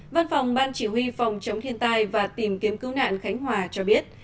văn phòng ban chỉ huy phòng chống thiên tai và tìm kiếm cứu nạn khánh hòa cho biết